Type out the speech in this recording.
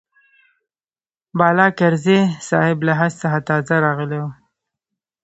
بالاکرزی صاحب له حج څخه تازه راغلی و.